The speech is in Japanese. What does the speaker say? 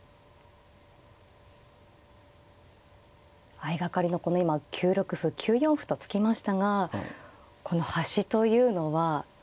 相掛かりのこの今９六歩９四歩と突きましたがこの端というのは。